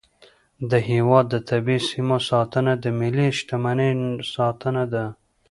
د هیواد د طبیعي سیمو ساتنه د ملي شتمنۍ ساتنه ده.